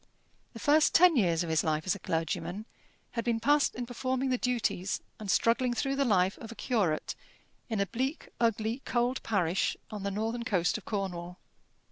The first ten years of his life as a clergyman had been passed in performing the duties and struggling through the life of a curate in a bleak, ugly, cold parish on the northern coast of Cornwall.